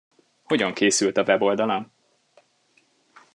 Hogyan készült a weboldalam?